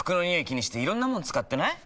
気にしていろんなもの使ってない？